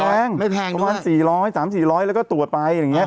ไม่แพงไม่แพงด้วยสามสี่ร้อยแล้วก็ตรวจไปอย่างเงี้ย